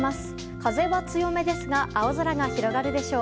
風は強めですが青空が広がるでしょう。